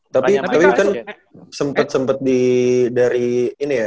tapi kan sempet sempet di dari ini ya